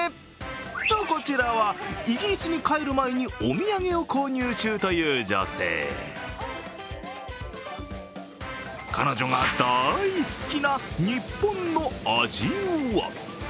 と、こちらはイギリスに帰る前にお土産を購入中という女性彼女が大好きな日本の味は？